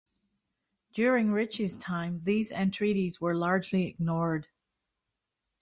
During Ritchie's time these entreaties were largely ignored.